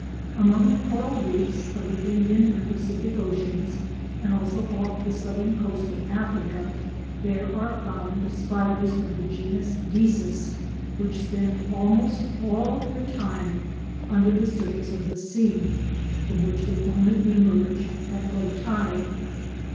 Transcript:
Among the coral reefs of the Indian and Pacific oceans, and also off the southern coast of Africa there are found spiders of the genus Desis which spend almost all their time under the surface of the sea, from which they only emerge at low tide.